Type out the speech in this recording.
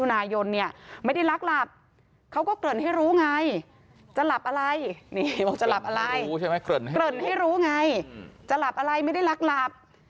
นี่บอกจะหลับอะไรเกริ่นให้รู้ไงจะหลับอะไรไม่ได้ลักหลับ